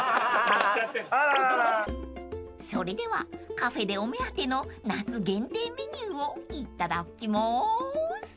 ［それではカフェでお目当ての夏限定メニューをいただきます］